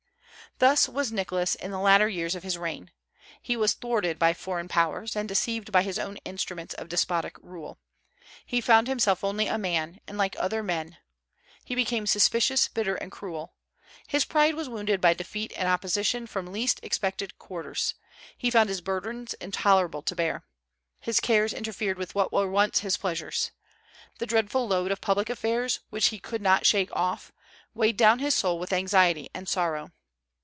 Thus was Nicholas in the latter years of his reign. He was thwarted by foreign Powers, and deceived by his own instruments of despotic rule. He found himself only a man, and like other men. He became suspicious, bitter, and cruel. His pride was wounded by defeat and opposition from least expected quarters. He found his burdens intolerable to bear. His cares interfered with what were once his pleasures. The dreadful load of public affairs, which he could not shake off, weighed down his soul with anxiety and sorrow.